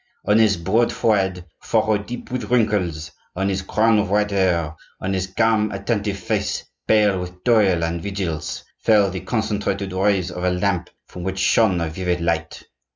On his broad forehead furrowed deep with wrinkles, on his crown of white hair, on his calm, attentive face, pale with toil and vigils, fell the concentrated rays of a lamp from which shone a vivid light.